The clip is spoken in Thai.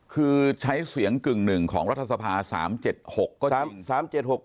คือใช้เสียงกึ่งหนึ่งของรัฐสภา๓๗๖ก็จริง